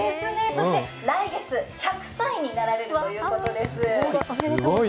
そして来月、１００歳になられるということです。